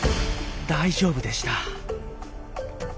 大丈夫でした。